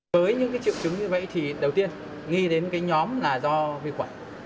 với những triệu chứng như vậy đầu tiên nghi đến nhóm là do vi khuẩn